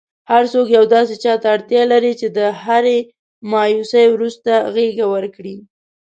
هرڅوک یو داسي چاته اړتیا لري چي د هري مایوسۍ وروسته غیږه ورکړئ.!